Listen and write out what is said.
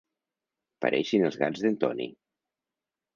Pareixin els gats d'en Toni.